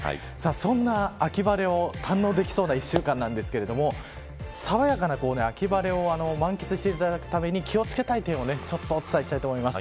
そんな秋晴れを堪能できそうな１週間なんですがさわやかな秋晴れを満喫していただくために気を付けたい点をお伝えしたいと思います。